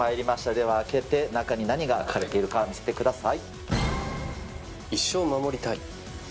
では開けて、中に何が書かれてるか、見せてください。